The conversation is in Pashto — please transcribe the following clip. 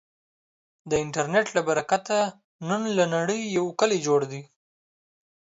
د انټرنټ له برکته، نن له نړې یو کلی جوړ دی.